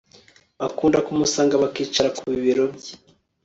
Bakundaga kumusanga bakicara ku bibero bye